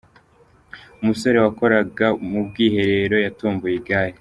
Umusore wakoraga mu bwiherero yatomboye igare.